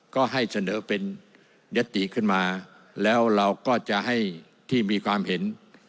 ก็ให้เสนอเป็นยติขึ้นมาแล้วเราก็จะให้ที่มีความเห็น